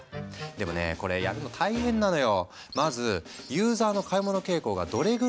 でもねこれやるの大変なのよ。